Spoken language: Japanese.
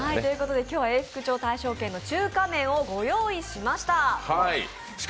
今日は永福町大勝軒の中華麺をご用意しました。